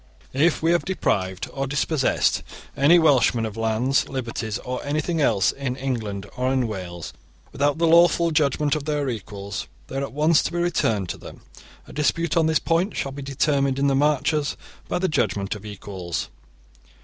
* If we have deprived or dispossessed any Welshmen of lands, liberties, or anything else in England or in Wales, without the lawful judgement of their equals, these are at once to be returned to them. A dispute on this point shall be determined in the Marches by the judgement of equals.